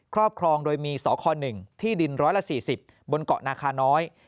รอบครองโดยมีสค๑ที่ดิน๑๔๐บนเกาะนาคาน้อย